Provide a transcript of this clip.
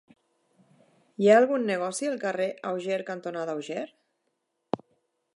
Hi ha algun negoci al carrer Auger cantonada Auger?